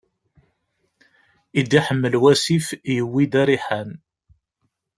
I d-iḥmel wassif, yewwi-d ariḥan.